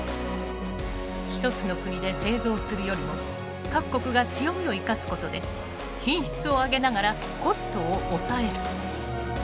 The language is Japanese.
１つの国で製造するよりも各国が強みを生かすことで品質を上げながらコストを抑える。